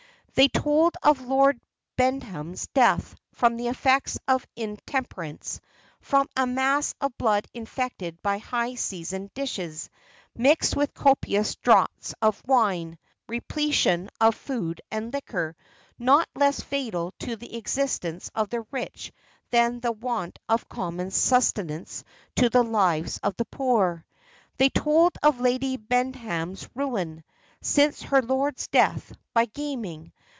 They told of Lord Bendham's death from the effects of intemperance; from a mass of blood infected by high seasoned dishes, mixed with copious draughts of wine repletion of food and liquor, not less fatal to the existence of the rich than the want of common sustenance to the lives of the poor. They told of Lady Bendham's ruin, since her lord's death, by gaming.